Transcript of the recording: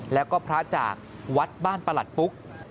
แล้วก็พระจากวัดบ้านประหลัดปุ๊ก